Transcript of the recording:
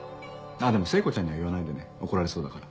でも聖子ちゃんには言わないでね怒られそうだから。